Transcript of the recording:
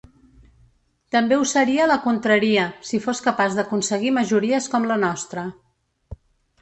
També ho seria la contraria, si fos capaç d’aconseguir majories com la nostra.